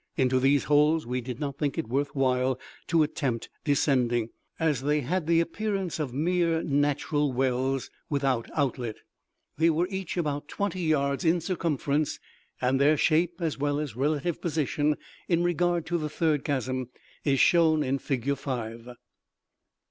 Into these holes we did not think it worth while to attempt descending, as they had the appearance of mere natural wells, without outlet. They were each about twenty yards in circumference, and their shape, as well as relative position in regard to the third chasm, is shown in figure 5.